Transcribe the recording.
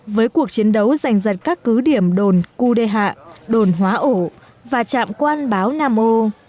với cuộc chiến đấu giành giật các cứ điểm đồn cu đê hạ đồn hóa ổ và trạm quan báo nam ô